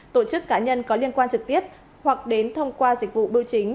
tổ chức cá nhân có liên quan trực tiếp hoặc đến thông qua dịch vụ bưu chính